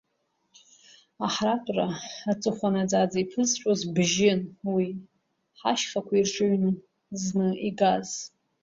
Аҳра-тәра аҵыхәа наӡаӡаз иԥызҵәоз бжьын уи, ҳашьхақәа ирҿыҩны зны игаз.